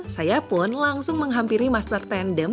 saya pun langsung menghampiri master tandem